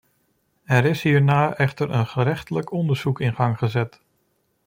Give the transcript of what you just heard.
Er is hiernaar echter een gerechtelijk onderzoek in gang gezet.